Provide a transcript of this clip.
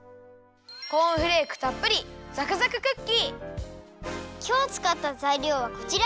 コーンフレークたっぷりきょうつかったざいりょうはこちら！